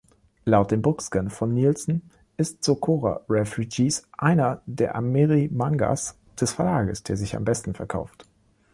Laut dem BookScan von Nielsen ist „Sokora Refugees“ einer der Amerimangas des Verlages, der sich am besten verkauft.